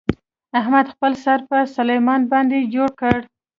احمد خپل سر په سلمان باندې جوړ کړ.